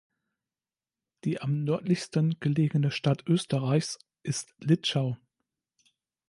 Die am nördlichsten gelegene Stadt Österreichs ist Litschau.